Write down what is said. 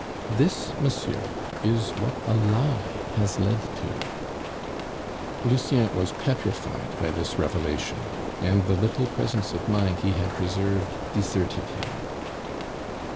This, monsieur, is what a lie has led to " Lucien was petrified by this revelation, and the little presence of mind he had preserved deserted him.